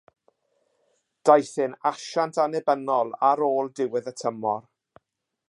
Daeth e'n asiant annibynnol ar ôl diwedd y tymor.